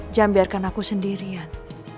jangan biarkan aku sendirian